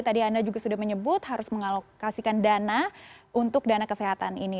tadi anda juga sudah menyebut harus mengalokasikan dana untuk dana kesehatan ini